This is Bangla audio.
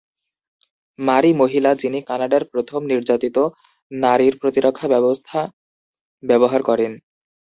মারি মহিলা যিনি কানাডার প্রথম নির্যাতিত নারীর প্রতিরক্ষা ব্যবস্থা ব্যবহার করেন।